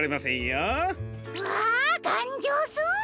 うわーがんじょうそー！